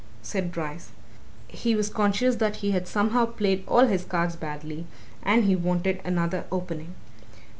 said Bryce. He was conscious that he had somehow played all his cards badly, and he wanted another opening.